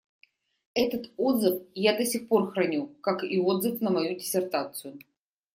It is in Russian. Этот отзыв я до сих пор храню, как и отзыв на мою диссертацию.